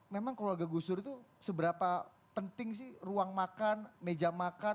memang keluarga gus dur itu seberapa penting sih ruang makan meja makan